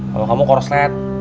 kalau kamu koroslet